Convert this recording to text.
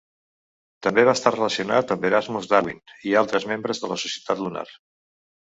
També va estar relacionat amb Erasmus Darwin i altres membres de la Societat lunar.